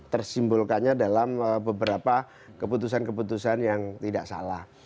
tersimbolkannya dalam beberapa keputusan keputusan yang tidak salah